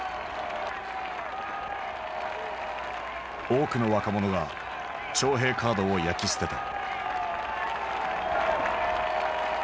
多くの若者が徴兵カードを焼き捨てた。